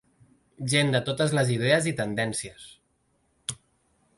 Gent de totes les idees i tendències.